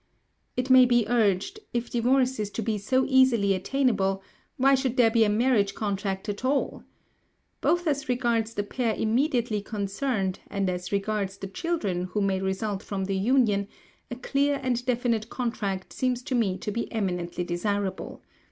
It may be urged: if divorce is to be so easily attainable, why should there be a marriage contract at all? Both as regards the pair immediately concerned, and as regards the children who may result from the union, a clear and definite contract seems to me to be eminently desirable.